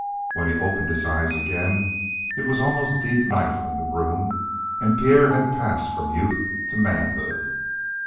When he opened his eyes again it was almost deep night in the room, and Pierre had passed from youth to manhood.